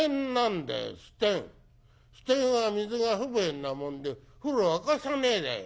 支店は水が不便なもんで風呂沸かさねえだよ。